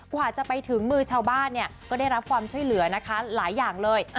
กว่าจะไปถึงมือชาวบ้านเนี่ยก็ได้รับความช่วยเหลือนะคะหลายอย่างเลย